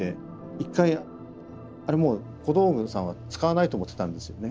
一回あれもう小道具さんは使わないと思ってたんですよね。